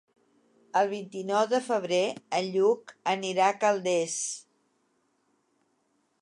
El vint-i-nou de febrer en Lluc anirà a Calders.